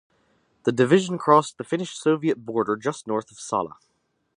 The division crossed the Finnish-Soviet Border just north of Salla.